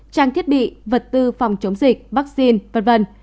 trang thiết bị vật tư phòng chống dịch vaccine v v